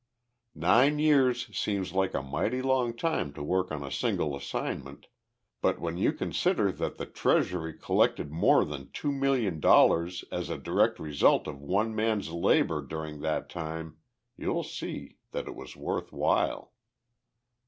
"Nine years seems like a mighty long time to work on a single assignment, but when you consider that the Treasury collected more than two million dollars as a direct result of one man's labor during that time, you'll see that it was worth while."